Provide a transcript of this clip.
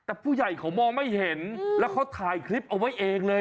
แต่ผู้ใหญ่เขามองไม่เห็นแล้วเขาถ่ายคลิปเอาไว้เองเลย